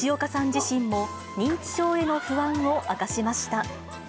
自身も認知症への不安を明かしました。